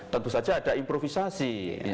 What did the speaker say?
tentu saja ada improvisasi